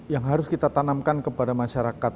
yang harus kita tanamkan kepada masyarakat